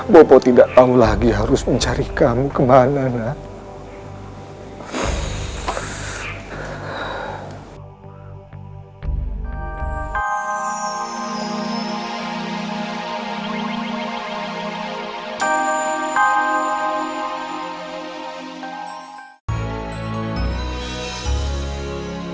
bopo tidak tahu lagi harus mencari kamu kemana nak